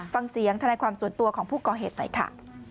ฟังเสียงทะเลความส่วนตัวของผู้ก่อเหตุเลยค่ะ